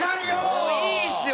もういいですよ！